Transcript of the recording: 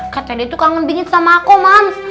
katanya dia tuh kangen bingit sama aku mam